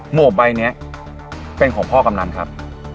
หวกใบนี้เป็นของพ่อกำนันครับ